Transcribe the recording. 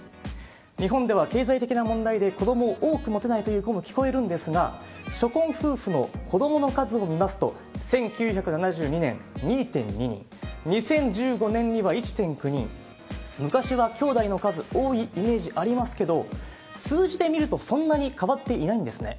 日本では、経済的な問題で子どもを多く持てないという声も聞こえるんですが、初婚夫婦の子どもの数を見ますと、１９７２年、２．２人、２０１５年には１．９人、昔はきょうだいの数、多いイメージありますけど、数字で見るとそんなに変わっていないんですね。